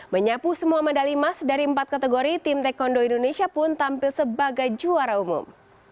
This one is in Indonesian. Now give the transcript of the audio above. menyapu semua medali emas dari empat kategori tim taekwondo indonesia pun tampil sebagai juara umum